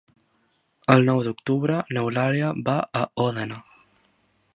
El nou d'octubre n'Eulàlia va a Òdena.